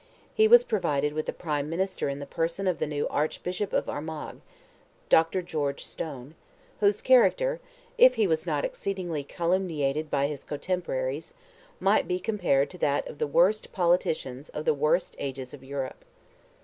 He was provided with a prime minister in the person of the new Archbishop of Armagh, Dr. George Stone, whose character, if he was not exceedingly calumniated by his cotemporaries, might be compared to that of the worst politicians of the worst ages of Europe.